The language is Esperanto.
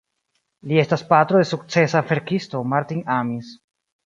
Li estas patro de sukcesa verkisto Martin Amis.